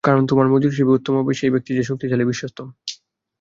কারণ, তোমার মজুর হিসাবে উত্তম হবে সেই ব্যক্তি, যে শক্তিশালী—বিশ্বস্ত।